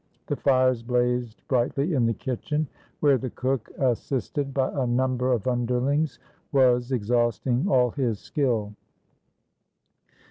The fires blazed brightly in the kitchen, where the cook, assisted by a number of underlings, was exhausting all his skill.